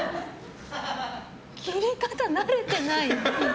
切り方、慣れてない。